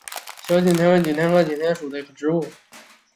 小景天为景天科景天属的植物。